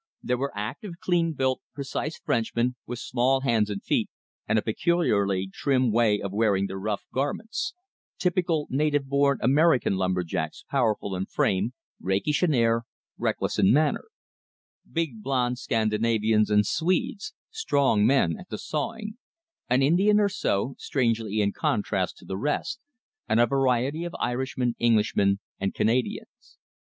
There were active, clean built, precise Frenchmen, with small hands and feet, and a peculiarly trim way of wearing their rough garments; typical native born American lumber jacks powerful in frame, rakish in air, reckless in manner; big blonde Scandinavians and Swedes, strong men at the sawing; an Indian or so, strangely in contrast to the rest; and a variety of Irishmen, Englishmen, and Canadians.